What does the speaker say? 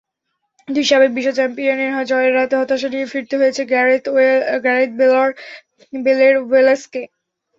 দুই সাবেক বিশ্ব চ্যাম্পিয়নের জয়ের রাতে হতাশা নিয়ে ফিরতে হয়েছে গ্যারেথ বেলের ওয়েলসকে।